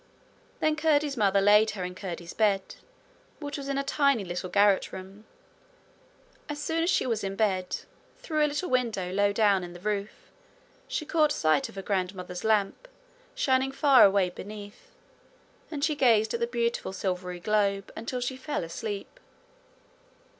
Then Curdie's mother laid her in Curdie's bed, which was in a tiny little garret room. As soon as she was in bed, through a little window low down in the roof she caught sight of her grandmother's lamp shining far away beneath, and she gazed at the beautiful silvery globe until she fell asleep.